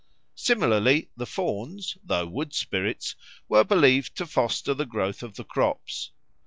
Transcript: Similarly the Fauns, though wood spirits, were believed to foster the growth of the crops.